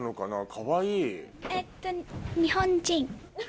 かわいい。